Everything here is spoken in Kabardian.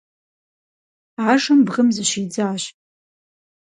Ажэм бгым зыщидзащ.